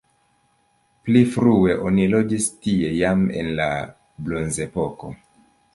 Pli frue oni loĝis tie jam en la bronzepoko.